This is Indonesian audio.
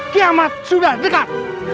kiamat sudah dekat